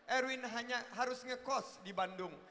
erwin hanya harus ngekos di bandung